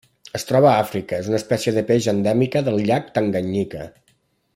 Es troba a Àfrica: és una espècie de peix endèmica del llac Tanganyika.